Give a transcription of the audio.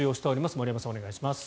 森山さん、お願いします。